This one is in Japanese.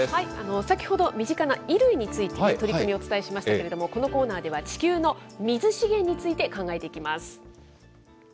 先ほど、身近な衣類について取り組みをお伝えしましたけれども、このコーナーでは、地球の水資源について考えていきます。